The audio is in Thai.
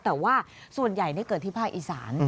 แต่ว่าส่วนใหญ่เกิดที่ภาคอีสาน